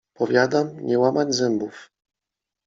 Powiadam, nie łamać zębów!